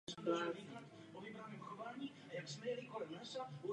Byl tehdy členem a významným funkcionářem Komunistické strany Slovenska.